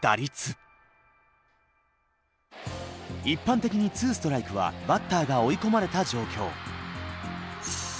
一般的に２ストライクはバッターが追い込まれた状況。